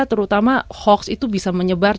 terutama hoax itu bisa menyebar